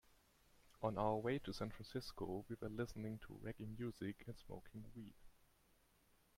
On our way to San Francisco, we were listening to reggae music and smoking weed.